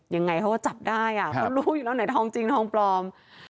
ยังไงเขาก็จับได้เขารู้อยู่แล้วไหนทองจริงทองปลอม